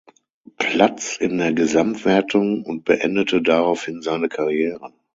Platz in der Gesamtwertung und beendete daraufhin seine Karriere.